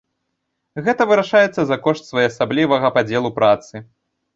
Гэта вырашаецца за кошт своеасаблівага падзелу працы.